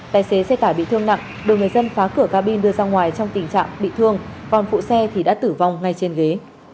tài xế xe tải bị thương nặng được người dân phá cửa cabin đưa ra ngoài trong tình trạng bị thương còn phụ xe thì đã tử vong ngay trên ghế